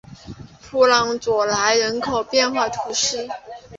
普朗佐莱人口变化图示